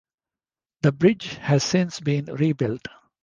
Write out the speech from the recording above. The bridge has since been rebuilt.